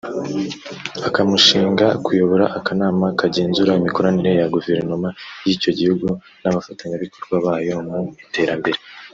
akamushinga kuyobora akanama kagenzura imikoranire ya Guverinoma y’icyo gihugu n’abafatanyabikorwa bayo mu iterambere